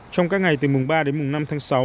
trong các ngày từ mùng ba đến mùng năm tháng sáu